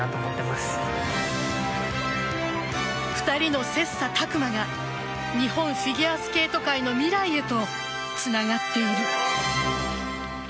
２人の切磋琢磨が日本フィギュアスケート界の未来へとつながっている。